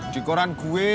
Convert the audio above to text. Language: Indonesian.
di koran gue